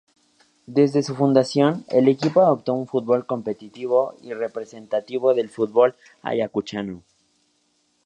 Desde su fundación el equipo adoptó un fútbol competitivo y representativo del fútbol ayacuchano.